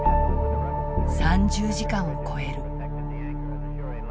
３０時間を超える。